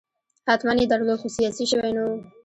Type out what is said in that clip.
حتماً یې درلود خو سیاسي شوی نه و.